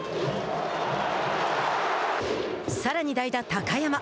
さらに代打高山。